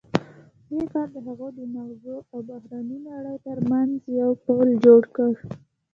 دې کار د هغه د ماغزو او بهرنۍ نړۍ ترمنځ یو پُل جوړ کړ